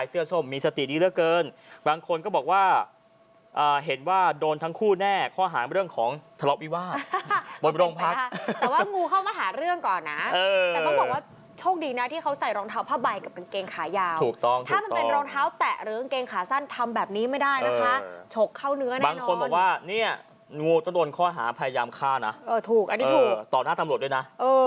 ต้องมีเพราะว่าขอโทษนะคุณผู้ชมนี่งูเห่านะคะ